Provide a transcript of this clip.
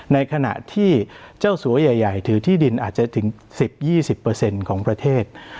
ในขณะที่เจ้าสัวใหญ่ถือที่ดินอาจจะถึง๑๐๒๐ของประเทศ